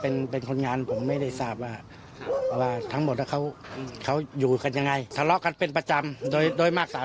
ก็เลยทะเลาะวิวาสฝ่ายหญิงเมาเดือนฝ่ายชายฝ่ายหญิงผมไม่ทราบ